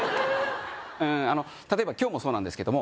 うんあの例えば今日もそうなんですけども